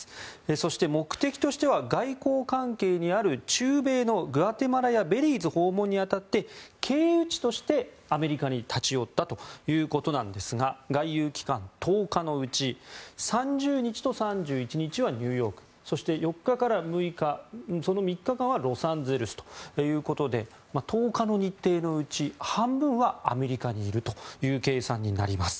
そして、目的としては外交関係にある中米のグアテマラやベリーズ訪問に当たって経由地としてアメリカに立ち寄ったということなんですが外遊期間の１０日のうち３０日と３１日はニューヨークそして４日から６日その３日間はロサンゼルスということで１０日の日程のうち半分はアメリカにいるという計算になります。